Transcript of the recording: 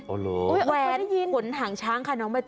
โอ้โหโอ้โหเค้าได้ยินแหวนขนหางช้างค่ะน้องใบต่อ